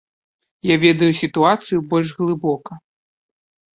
Я ведаю сітуацыю больш глыбока.